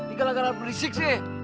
ini kalah kalah berisik sih